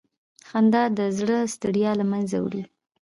خندا د زړه ستړیا له منځه وړي.